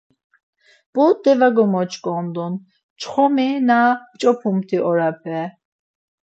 p̌ot̆e var gomoç̌ondun çxomi na p̌ç̌opumt̆i orape.